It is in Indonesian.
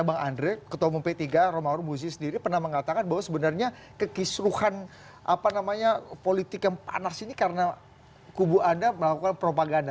bang andre ketua umum p tiga romahur muzi sendiri pernah mengatakan bahwa sebenarnya kekisruhan politik yang panas ini karena kubu anda melakukan propaganda